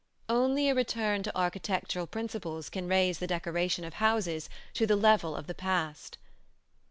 Only a return to architectural principles can raise the decoration of houses to the level of the past.